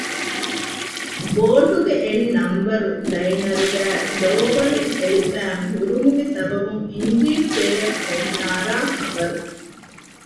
ބޯޓުގެ އެއް ނަންބަރު ލައިނަރުގައި ލޯވަޅެއް އެޅިފައި ހުރުމުގެ ސަބަބުން އިންޖީނު ތެރެއަށް ފެން ނާރާ ޚަބަރު